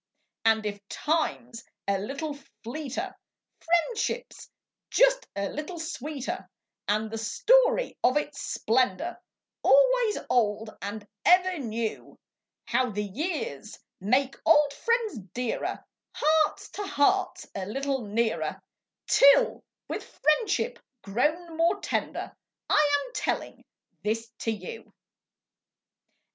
y\AJD if time's a little / V fleeter, friendship s just a little sxx>eeter, And the storp o" its splendor AlvOaps old and eVer neu); Hovc> the pears make old friends dearet~, Hearts to hearts a little nearer Till voith friendship pro>xm more tender I am tellina this to ou.